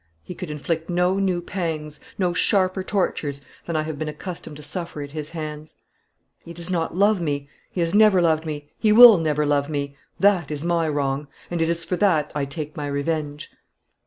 He could inflict no new pangs, no sharper tortures, than I have been accustomed to suffer at his hands. He does not love me. He has never loved me. He never will love me. That is my wrong; and it is for that I take my revenge!"